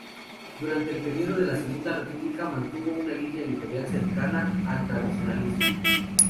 Durante el periodo de la Segunda República mantuvo una línea editorial cercana al tradicionalismo.